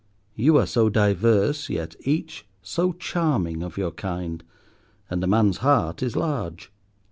You are so diverse, yet each so charming of your kind; and a man's heart is large.